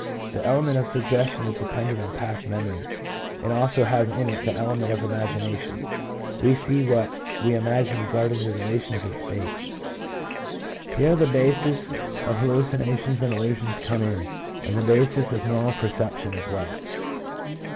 The element of suggestion is dependent on past memories, and also has in it the element of imagination. We see what we imagine regarding the relations of space: here the SENSES. 179 bases of hallucinations and illusions come in, and the bases of normal perception as well.